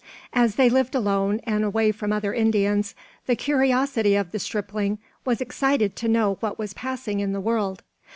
As they lived alone, and away from other Indians, the curiosity of the stripling was excited to know what was passing in the world.